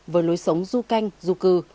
với lối sống du canh du cư